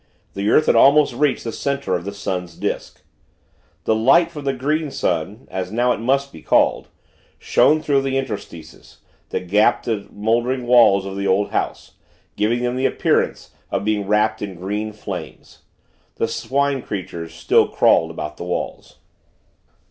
The earth had almost reached the center of the sun's disk. The light from the Green Sun as now it must be called shone through the interstices, that gapped the mouldered walls of the old house, giving them the appearance of being wrapped in green flames. The Swine creatures still crawled about the walls.